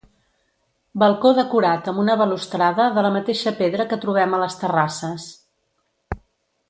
Balcó decorat amb una balustrada de la mateixa pedra que trobem a les terrasses.